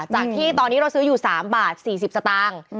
จากที่ตอนนี้เราซื้ออยู่๓บาท๔๐สตางค์